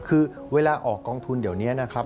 คือเวลาออกกองทุนเดี๋ยวนี้นะครับ